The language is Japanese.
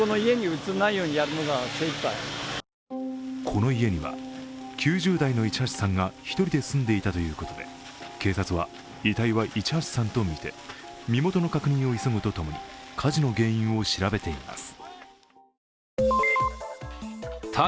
この家には９０代の市橋さんが１人で住んでいたということで警察は遺体は市橋さんとみて身元の確認を急ぐとともに火事の原因を調べています。